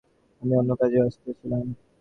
আমি অন্য কাজে ব্যস্ত ছিলাম।